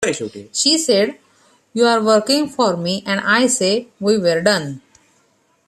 She said, 'You're working for me and I say we're done'.